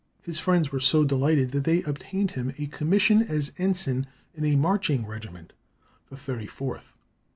His friends were so delighted that they obtained him a commission as ensign in a marching regiment, the 34th.